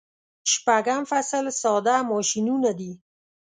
شپږم فصل ساده ماشینونه دي.